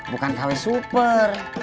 bukan kw super